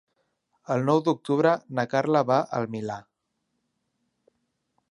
El nou d'octubre na Carla va al Milà.